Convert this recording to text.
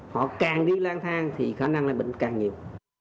họ càng đi lang thang thì khả năng là bệnh càng nhiều